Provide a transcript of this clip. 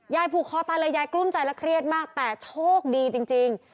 ผูกคอตายเลยยายกลุ้มใจและเครียดมากแต่โชคดีจริง